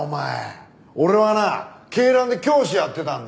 俺はな恵蘭で教師やってたんだよ。